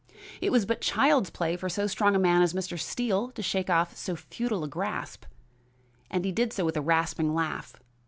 It was but child's play for so strong a man as Mr. Steele to shake off so futile a grasp, and he did so with a rasping laugh.